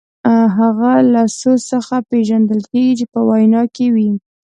له هغه سوز څخه پېژندل کیږي چې په وینا کې وي.